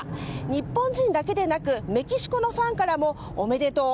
日本人だけでなくメキシコのファンからもおめでとう！